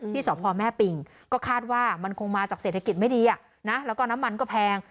สพแม่ปิงก็คาดว่ามันคงมาจากเศรษฐกิจไม่ดีนะแล้วก็น้ำมันก็แพง